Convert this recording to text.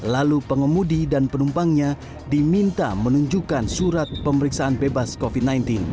lalu pengemudi dan penumpangnya diminta menunjukkan surat pemeriksaan bebas covid sembilan belas